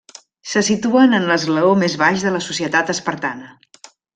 Se situen en l'esglaó més baix de la societat espartana.